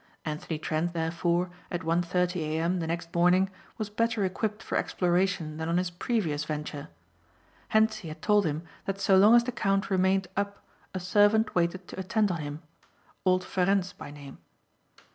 Anthony Trent, therefore, at one thirty A.M. the next morning was better equipped for exploration than on his previous venture. Hentzi had told him that so long as the count remained up a servant waited to attend on him, old Ferencz by name.